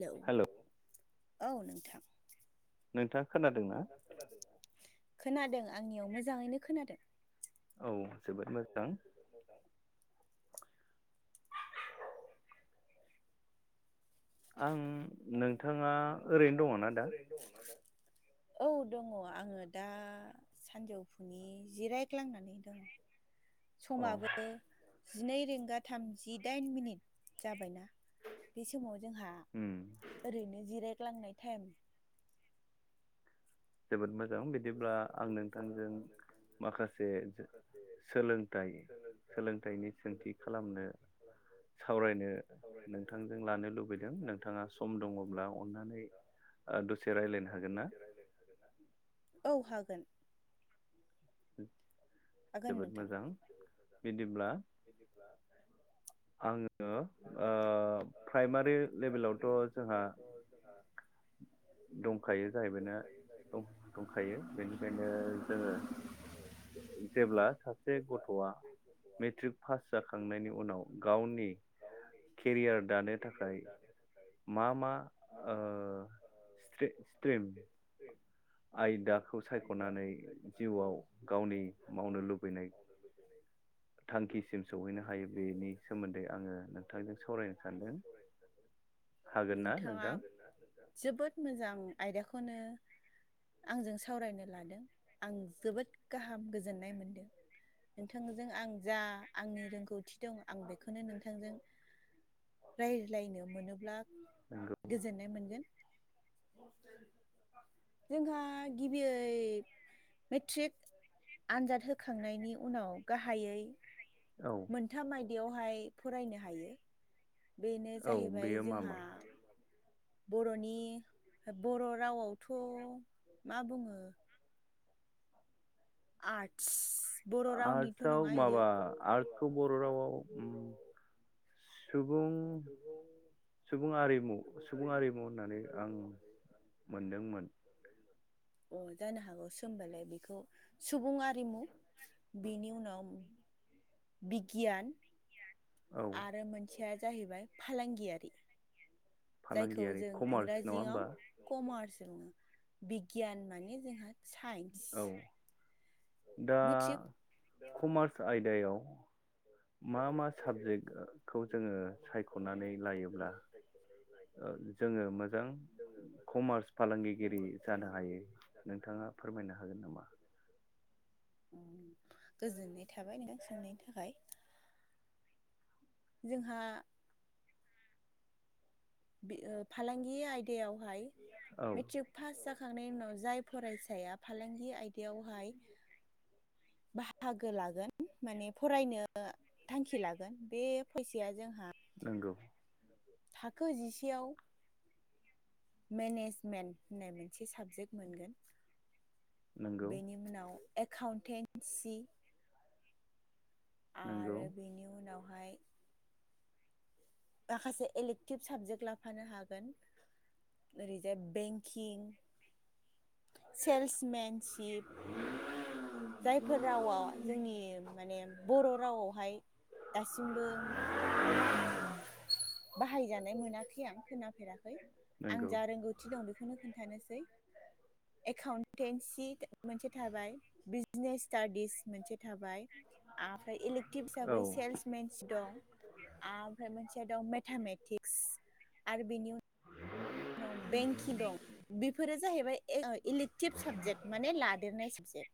Hello औ नोंथां नोंथाङा खोनादों ना खोनादों आंनियाव मोजाङैनो खोनादों औ जोबोद मोजां आं नोंथाङा ओरैनो दङ ना दा औ दङ आङो दा सानजौफुनि जिरायग्लांनानै दङ अ समाबो जिनै रिंगा थामजिदाइन मिनिट जाबायना बे समाव जोंहा उम ओरैनो जिराय ग्लांनाय टाइम जोबोद मो मोजां बिदिब्ला आं नोंथांजों माखासे सोलोंथाइ सोलोंथाइनि सोंथि खालामनो सावरायनो नोंथांजों लानो लुबैदों नोंथाङा सम दङब्ला अन्नानै दसे रायज्लायनो ओ हागोन ना औ हागोन द [unintelligible] हागोन जोबोद नोंथां मोजां बिदिब्ला आङो ओ प्राइमारि लेभेलावथ' जोंहा दंखायो जाहैबायनो दंखायो बेनिखायनो जोङो जेब्ला सासे गथ'आ मेट्रिक पास जाखांनायनि उनाव गावनि केरियार दानो थाखाय मा मा ओ सिथ्रिम सिथ्रिम आयदाखौ सायख'नानै जिउआव गावनि मावनो लुबैनाय थांखिसिम सौहैनो हायो बेनि सोमोन्दै आङो नोंथांजों सावरायनो सानदों हागोन ना नोंथाङा नोंथां जोबोद मोजां [unintelligible] आयदाखौनो आंजों सावरायनो लादों आं जोबोद गाहाम गोज गोजोननाय मोनदों नोंथांजों आं जा आंनि रोंगौथि दं आं बेखौनो नोंथांजों रायज्लायनो मोनोब ब्ला नंगौ गोजोननाय मोनगोन जोंहा गिबियै मेट्रिक आनजाद होखांनायनि उनाव गाहायै औ मोनथाम आय बेयावहाय फरायनो हायो बेनो औ जाहैबाय बेयो मा जोंहा मा बर'नि बर' रावआवथ' मा बुङो आटस आर्टसआव माबा आर्टसखौ बर' रावाव सुबुं सुबुं आरिमु सुबुं आरिमु होननानै आं मोनदोंमोन अ जानो हागौसो सोमबालाय बेखौ सुबुं आरिमु बेनि उनाव बिगियान औ आरो मोनसे खोथायया जाहैबाय फालांगियारि जायखौ फालांगियारि जों कमार्स नङा होमबा इंराजियाव कमार्स बुङो बिगियान माने जोंहा साइन्स औ दा मेट्रिक कमार्स आयदायाव मा मा साबजेक्टखौ जोङो सायख'नानै लायोब्ला ओ जोङो मोजां कमार्स फालांगिगिरि जानो हायो नोंथाङा फोरमायनो हागोन नामा? गोजोननाय थाबाय नोंथां सोंनायनि थाखाय। जोंहा बे फालांगि आयदायावहाय औ मेट्रिक पास जाख खांनायनि उनाव जाय फरायसाया फालांगि आयदायावहाय बाहागो लागोन माने फरायनो थांखि लागोन बे फैसाया जोंहा नंगौ थाखो जिसेयाव मेनेजमेन्ट होननाय मोनसे साबजेक्ट मोनगोन। नंगौ बेनि उनाव एकाउन्टेन्सि नंगौ आरो बेनि उनाव बेहाय माखासे एलेक्टिभ साबजेक्ट लाफानो हागोन ओरैजाय बेंकिं सेल्समेनसिप जायफोर रावा जोंनि माने बर रावआवहाय दासिमबो बाहायजानाय मोनाखै खै आं खोनाफेराखै आं नंगौ जा रोंगौथि दं बेखौनो खोन्थानोसै। एकाउन्टेन्सि मोनसे थाबाय बिजनेस स्टाडिस मोनसे थाबाय आफाय इलेटिभ औ हिसाबै सेल्समेन दं आफाय मोनसे दं मेथामेटिक्स आरो बेनि उन जनाव बेंकि दं बेफोरो जाहैबाय इलेक्टिभ साबजेक्ट माने लादेरनाय साबजेक्ट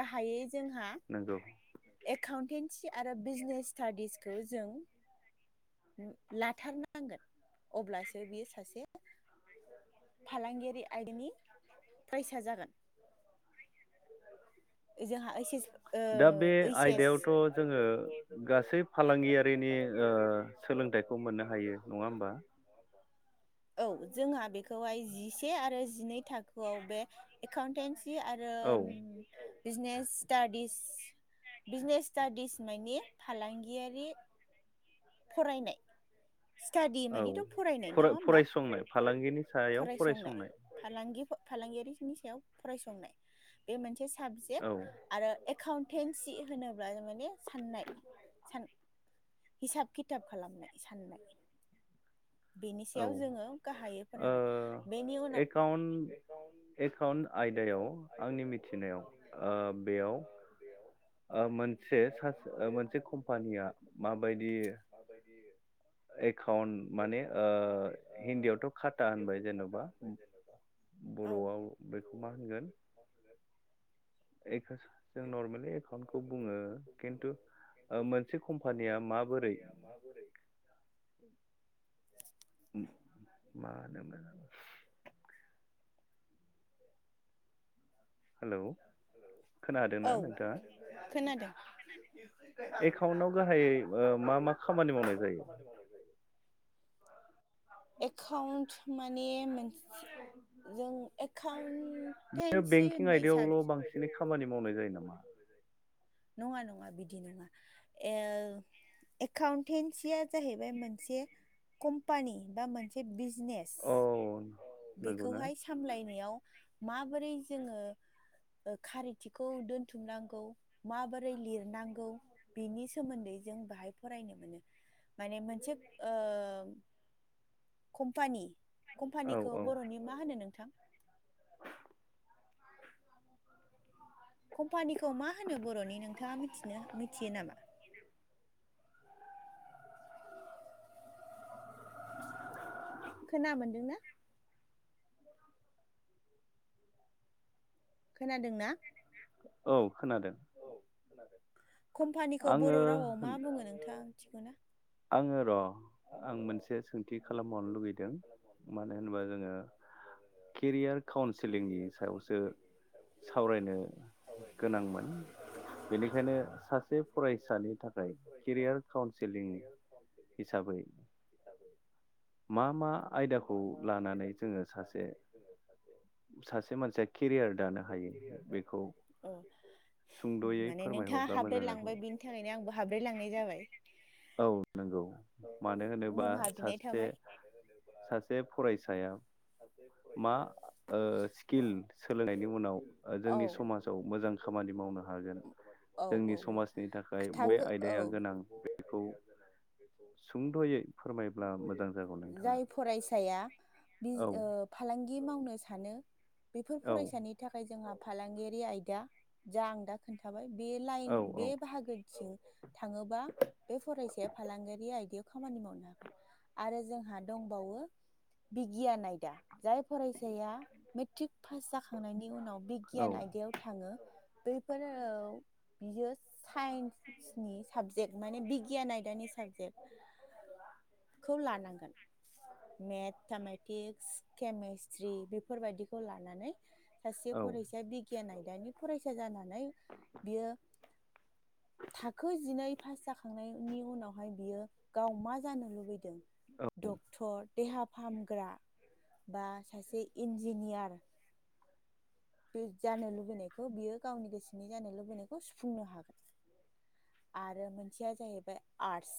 गाहायै जोंहा नंगौ एकाउन्टेन्सि आरो बिजनेस स्टाडिसखौ जों लाथारनांगोन अब्लासो बेयो सासे फालांगिआरि आयदानि फायसा जागोन जाहा ओस एस ओ दा बे ओस एस आयदायावथ' जोङो गासै फालांगियारिनि ओ सोलोंथाइखौ मोननो हायो नङा होमबा [unintelligible] औ जोंहा बेखौ दहाय जिसे आरो जिनै थाखोआव बे एकाउन्टेन्स आरो औ बिजनेस स्टादिस बिजनेस स्टादिस माने फालांगियारि फरायनाय स्टाडि मानिथ फरायनाय नङा होमबा संनाय फालांगिनि सायाव फरायसंनाय फालांगियारिनि सायाव फरायसंनाय बे मोनसे साबजेक औ आरो एकाउन्टेन्सि होनोब्ला माने साननाय सान हिसाब खिथाब खालामनाय साननाय बेनि औ सायाव जोङो गाहायै ओ फरायगोन बेनि उनाव एकान्ट एकाउन्ट आयदायाव आंनि मिथिनायाव ओ बेयाव मोनसे स मोनसे कम्पानिया माबायदि एकाउन्ट माने ओ हिन्दीयावथ' खाता होनबाय जेन'बा औ बर'आव बेखौ मा होनगोन जों नर्मेल एकाउन्टखौ बुङो खिन्थु मोनसे कम्पानिया माबोरै? मा दोनगोन हेलौ खोनादोंना औ खोनादों नोंथाङा एकाउन्टाव गाहायै मा मा खामानि मावनाय जायो? एकाउन्ट माने मोनसे जों एकाउन्टेनसि होननाय साबजेक बेसिनि खामानि मावनाय जायो नामा? नङा नङा बिदि नङा ओ एकाउन्टेनसिया जाहैबाय मोनसे कम्पानि बा मोनसे बि बिजनेस औ नंगौना बेखौहाय सामलायनायाव माबोरै जोङो खारिथिखौ दोनथुमनांगौ माबोरै लिरनांगौ बिनि सोमोन्दै जों बाहाय फरायनो मोनो। माने मोनसे ओ कम्पानि औ कम्पानिखौ औ बर'नि मा होनो नोंथां? कम्पानिखौ मा होनो बर'नि नोंथाङा मिथि मिथिनो मिथियो नामा? खोना मोनदोंना? खोनादोंना? औ खोनादों। आरो कम्पानिखौ बर' आङो रावआव मा बुङो नोंथाङा थिगौना? आङो र आं मोनसे सोंथि खालामबावनो लुगैदों मानो होनोबा जोङो केरियार काउन्सिलिंनि सायावसो सावरायनो गोनांमोन बेनिखायनो सासे फरायसानि थाखाय केरियार काउन्सिलिं [unintelligible] हिसाबै मा मा आयदाखौ लानानै जोङो सासे सासे मानसिया केरियार दानो हायो बेखौ सुंद'यै माने नोंथाङा फोरमायहरब्ला मोजां जागौ हाब्रायलांबाय बिनि थाखायनो आंबो हाब्रायलांनाय जाबाय। नोंगौ। मानो होनोबा निमाहा बिनाय सासे थाबाय। सासे फरायसाया मा स्किल सोलोंनायनि उनाव औ जोंनि समाजाव मोजां खामानि मावनो हागोन औ जोंनि औ समाजनि थाखाय बय खोथाखो औ आयदाया गोनां बेखौ [inaudible] सुंद'यै फोरमायब्ला मोजां जागौ जाय नोंथाङा। फरायसाया बि औ ओ फालांगि दि मावनो सानो बेफोर औ फरायसानि थाखाय जोंहा फालांगियारि आयदा जा आं दा खोन्थाबाय बे औ लाइन बे औ बाहागोथि थाङोबा बे फरायसाया फालांगियारि आयदायाव खामानि मावनो हागोन आरो जोंहा दंबावो बिगियान आयदा। जाय फरायसाया मेट्रिक पास जाखांनायनि उनाव औ बिगियान आयदायाव थाङो बैफोर बियो साइन्सनि साबजेक्ट माने बिगियान आदानि साबजेक्ट खौ लानांगोन। मेथामेटिक्स केमेस्ट्रि बेफोरबायाददिखौ लानानै सासे औ फरायसा बिगियान आयदा दानि फरायसा जानानै बियो थाखो जिनै पास जाखांनायनि उनावहाय बियो गाव मा जानो लुबैदों। औ दं देहा फाहामग्रा बा सासे इन्जिनियार बे जानो लुबैनायखौ बियो गावनि गोसोनि जानो लुबैनायखौ सुफुंनो हागोन आरो मोनसेया जाहैबाय आर्टस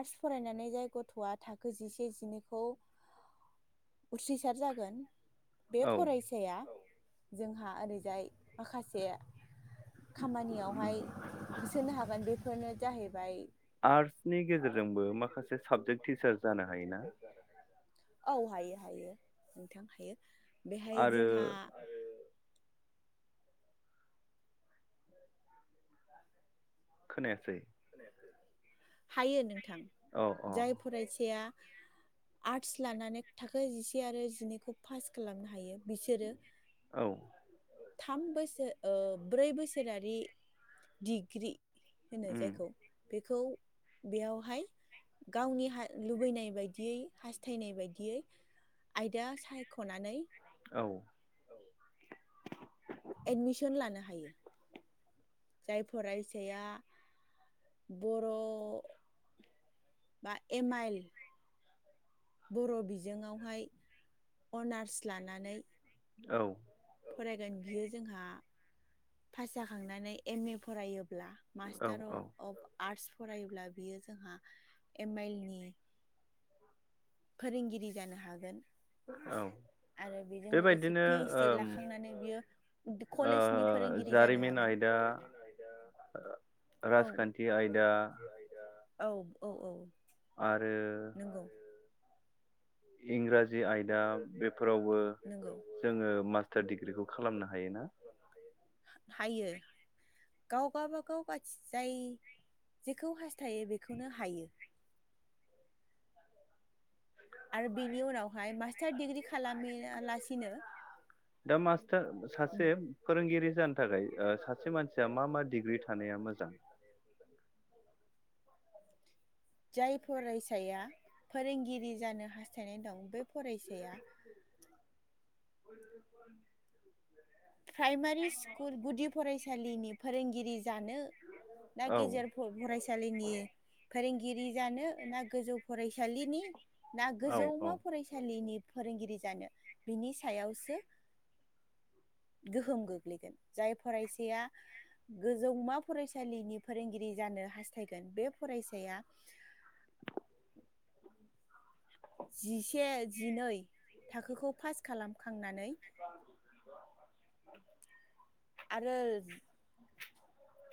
आर्टस फरायनानै जाय गथ'आ थाखो जिसे जिनैखौ उथ्रिसार जागोन बे औ फरायसाया जोंहा ओरैजाय माखासे खामानियावहाय होसोनो हागोन बेफोरनो जाहैबाय नि गेजेरजोंबो माखासे साबजेक्ट टिचार जानो हायोना? औ हायो हायो नोंथां हायो। बेहाय आरो जोंहा खोनायासै हायो नों थां औ औ जाय फरायसाया आर्टस लानानै थाखो जिसे आरो जिनैखौ पास खालामनो हायो। बिसोरो औ थाम बोसोर ओ ब्रै बोसोरारि डिग्रि होनो जाय उम बेखौ बेयावहाय गावनि लुबैनाय बायदियै हास्थायनाय बायदियै आयदा सायख'नानै औ एडमिसन लानो हायो जाय फरायसाया बर' बा एमाइल बर' बिजोंआवहाय अनार्स लानानै औ फरायगोन बियो जोंहा पास जाखांनानै एम ए फरायो औ औ [unintelligible] आर्टस फरायोब्ला बियो जोंहा एम आइल नि फोरोंगिरि जानो हागोन। औ आरो बेजों लोगोसे बेबायदिनो पि एसड ओम लाखांनानै बियो ओ कलेजनि फोरोंगिरि जानो जारिमिन हागोन आयदा राजखान्थि आयदा औ औ औ औ आरो नंगौ इंराजि जि आयदा बेफोरावबो नंगौ जोङो मास्टार डिग्रिखौ खालामनो हायोना हायो गाव गाबागाव जाय जेखौ हास्थायो बेखौनो हायो आरो बेनि उनावहाय मास्टार दिडिग्रि खालामालासिनो दा मास्टार सासे फोरोंगिरि जानो थाखाय सासे मानसिया मा मा डिग्रि थानाया मोजां जाय फरायसाया फोरोंगिरि जानो हास्थायनाय दं बे फरायसाया [inaudible] प्राइमारि स्कुल गुदि फरायसालिनि फोरोंगिरि जानो ना औ गेजेर फरायसालिनि फोरोंगिरि जानो ना गोजौ फरायसालिनि ना औ गोजौमा औ फरायसालिनि फोरोंगिरि जानो बिनि सायावसो गोहोम गोग्लैगोन जाय फरायसाया गोजौमा फरायसालिनि फोरोंगिरि जानो हास्थायगोन बे फरायसाया जिसे जिनै थाखोखौ पास खालाम खांनानै [unintelligible] आरो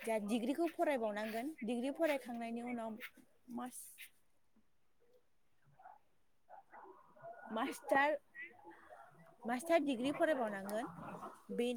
जा डिग्रिखौ फरायबावनांगोन डिग्रि फरायखांनायनि उनाव मास मास्टार मास्टार डिग्रि फरायबावनांगोन बे